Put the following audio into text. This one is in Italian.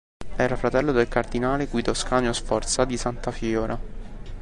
Era fratello del cardinale Guido Ascanio Sforza di Santa Fiora.